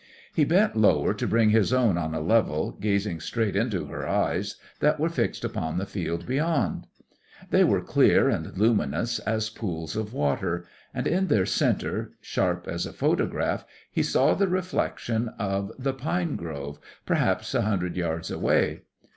He bent lower to bring his own on a level, gazing straight into her eyes that were fixed upon the field beyond. They were clear and luminous as pools of water, and in their centre, sharp as a photograph, he saw the reflection of the pine grove, perhaps a hundred yards away.